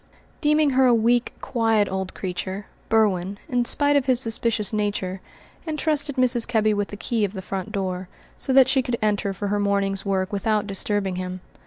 Deeming her a weak, quiet old creature, Berwin, in spite of his suspicious nature, entrusted Mrs. Kebby with the key of the front door, so that she could enter for her morning's work without disturbing him.